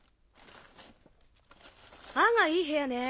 案外いい部屋ね。